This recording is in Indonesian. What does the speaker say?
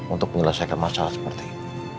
untuk menyelesaikan masalah seperti ini